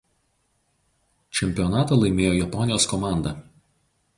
Čempionatą laimėjo Japonijos komanda.